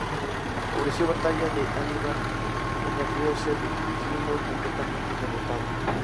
Ofreció batalla a Aníbal en el río Sele, siendo completamente derrotado.